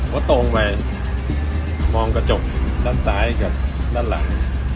ก็ตรงไปมองกระจกด้านซ้ายกับด้านหลัง